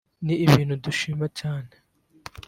ni ibintu dushima cyane